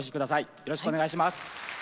よろしくお願いします。